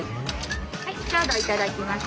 はいちょうど頂きます。